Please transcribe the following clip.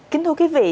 kính thưa quý vị